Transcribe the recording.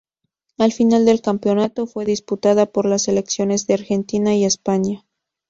La final del campeonato fue disputada por las selecciones de Argentina y España.